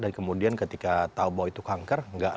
dan kemudian ketika tahu bahwa ada gejala gejala bisa menangkap